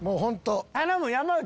頼む山内！